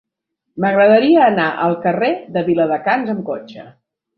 M'agradaria anar al carrer de Viladecans amb cotxe.